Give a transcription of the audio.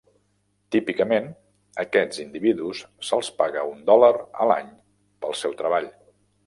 Típicament, aquests individus se'ls paga un dòlar a l'any pel seu treball.